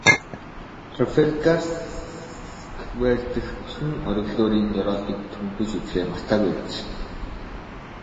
Трафальгарсквер дэх усан оргилуурын ёроолыг төнхөж үзэхээ мартаагүй биз?